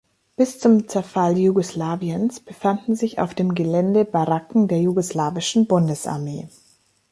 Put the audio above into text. Bis zum Zerfall Jugoslawiens befanden sich auf dem Gelände Baracken der jugoslawischen Bundesarmee.